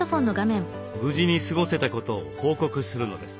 無事に過ごせたことを報告するのです。